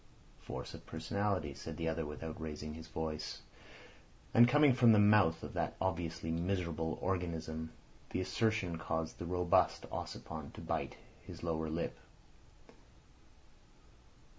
"Force of personality," said the other, without raising his voice; and coming from the mouth of that obviously miserable organism the assertion caused the robust Ossipon to bite his lower lip.